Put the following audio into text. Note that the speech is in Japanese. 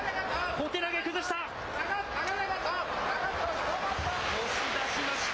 小手投げ、崩した。